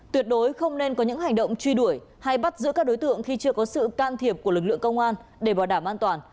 tuyệt đối không nên có những hành động truy đuổi hay bắt giữ các đối tượng khi chưa có sự can thiệp của lực lượng công an để bảo đảm an toàn